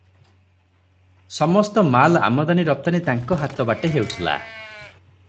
ସମସ୍ତ ମାଲ ଆମଦାନି ରପ୍ତାନି ତାଙ୍କ ହାତ ବାଟେ ହେଉଥିଲା ।